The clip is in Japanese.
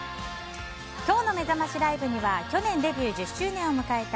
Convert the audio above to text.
今日のめざましライブには去年デビュー１０周年を迎えた